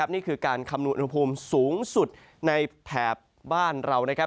นี่คือการคำนวณอุณหภูมิสูงสุดในแถบบ้านเรานะครับ